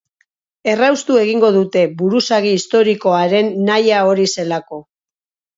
Erraustu egingo dute, buruzagi historikoaren nahia hori zelako.